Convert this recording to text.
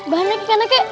banyak ikan kak